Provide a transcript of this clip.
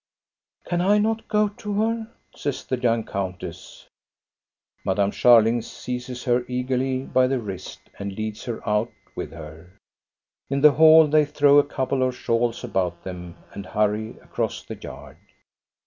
"Can I not go to her?" says the young countess. Madame Scharling seizes her eagerly by the wrist THE YOUNG COUNTESS 179 and leads her out with her. In the hall they throw a couple of shawls about them, and hurry across the yard.